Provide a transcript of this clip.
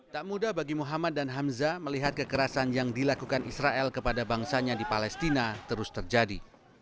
tak mudah bagi muhammad dan hamzah melihat kekerasan yang dilakukan israel kepada bangsanya di palestina terus terjadi